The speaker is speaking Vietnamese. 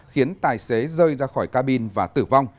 khiến tài xế rơi ra khỏi cabin và tử vong